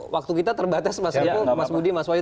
waktu kita terbatas mas riko mas budi mas wadid